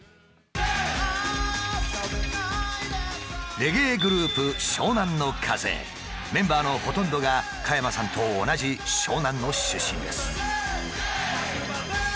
レゲエグループメンバーのほとんどが加山さんと同じ湘南の出身です。